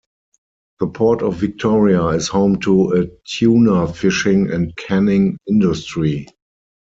The Port of Victoria is home to a tuna fishing and canning industry.